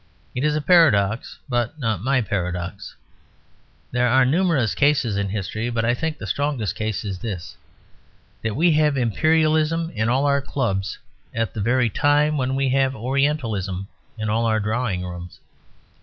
It is a paradox; but not my paradox. There are numerous cases in history; but I think the strongest case is this. That we have Imperialism in all our clubs at the very time when we have Orientalism in all our drawing rooms.